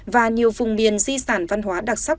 và nhiều vùng miền di sản văn hóa đặc sắc